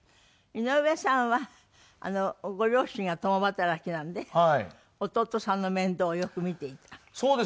井上さんはご両親が共働きなんで弟さんの面倒をよく見ていた。